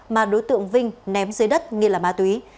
mà đối tượng vinh ném dưới đất nghi là ma túy